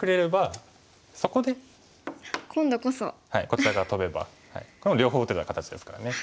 こちら側トベばこれもう両方打てた形ですからね。